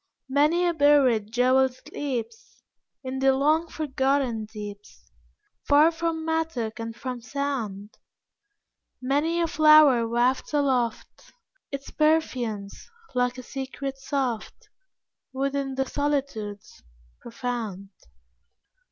Many a buried jewel sleeps In the long forgotten deeps, Far from mattock and from sound; Many a flower wafts aloft Its perfumes, like a secret soft, Within the solitudes, profound.